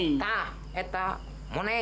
tidak itu monay